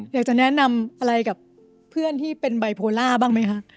อยากจะแนะนำอะไรกับเพื่อนที่เป็นไบโพล่าบ้างไหมคะ